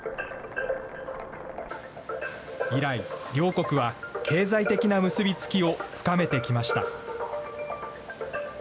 以来、両国は経済的な結び付きを深めてきました。